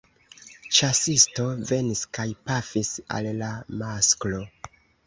Ĉasisto venis kaj pafis al la masklo.